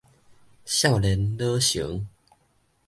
少年老成